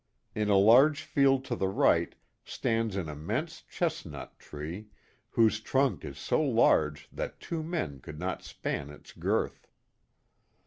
In a large field to the light stands an immense chest nut tree, whose trunk is so large that two men could not span its girth.